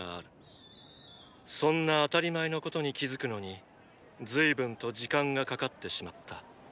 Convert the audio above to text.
そんな当たり前のことに気付くのにずいぶんと時間がかかってしまった。